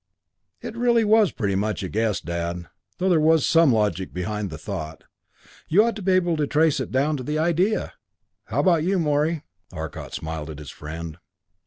"It really was pretty much of a guess, Dad, though there was some logic behind the thought. You ought to be able to trace down the idea! How about you, Morey?" Arcot smiled at his friend.